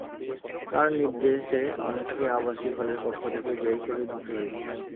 তাঁর নির্দেশে অনেককে আবাসিক হলের কক্ষ থেকে বের করে দিতে হয়েছে।